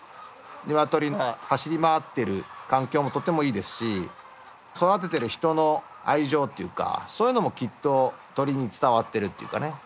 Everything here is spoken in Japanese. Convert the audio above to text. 鶏が走り回ってる環境もとてもいいですし育ててる人の愛情っていうかそういうのもきっと鶏に伝わってるっていうかね。